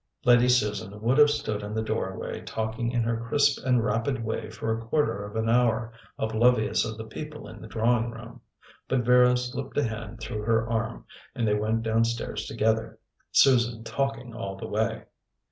Lady Susan would have stood in the doorway talking in her crisp and rapid way for a quarter of an hour, oblivious of the people in the drawing room; but Vera slipped a hand through her arm, and they went downstairs together, Susan talking all the way.